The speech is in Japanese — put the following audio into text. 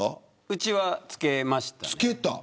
うちは付けました。